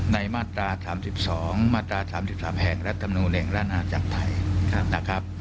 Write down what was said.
มาตรา๓๒มาตรา๓๓แห่งรัฐมนูลแห่งราชนาจักรไทยนะครับ